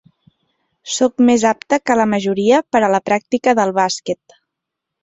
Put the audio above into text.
Sóc més apte que la majoria per a la pràctica del bàsquet.